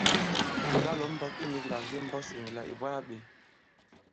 Ɓè kalɔ̀ i mbɔ̄k i nīglàk ndi mbɔs ì nì là ì bwaa bě.